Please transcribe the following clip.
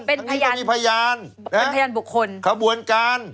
เป็นพยานบุคคล